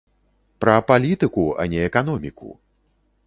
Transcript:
Пра палітыку, а не эканоміку!